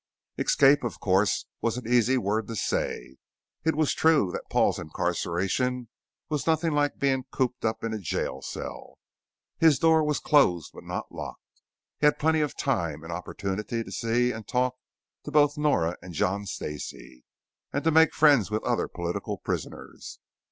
Escape, of course, was an easy word to say. It was true that Paul's incarceration was nothing like being cooped up in a jail cell. His door was closed but not locked; he had plenty of time and opportunity to see and talk to both Nora and John Stacey, and to make friends with other political prisoners.